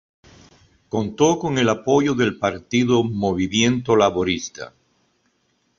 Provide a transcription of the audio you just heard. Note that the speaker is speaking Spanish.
Contó con el apoyo del partido Movimiento Laborista.